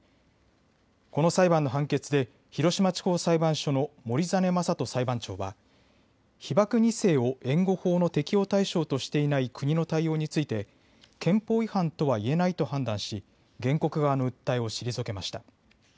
この裁判の判決で広島地方裁判所の森實将人裁判長は被爆２世を援護法の適用対象としていない国の対応について憲法違反とはいえないと判断し原告側の訴えを退けました。